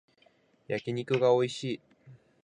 焼き肉がおいしい